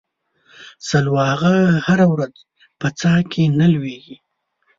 سلواغه هره ورځ په څا کې نه ولېږي.